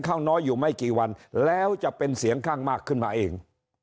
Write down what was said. เข้าน้อยอยู่ไม่กี่วันแล้วจะเป็นเสียงข้างมากขึ้นมาเอง